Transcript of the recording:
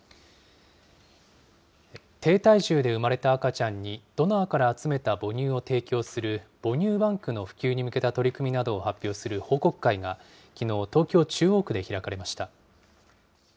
低体重で産まれた赤ちゃんに、ドナーから集めた母乳を提供する、母乳バンクの普及に向けた取り組みなどを発表する報告会がきのう、東京・中央区で開かれました。